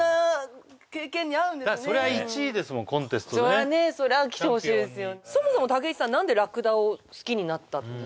そりゃねそりゃ来てほしいですよ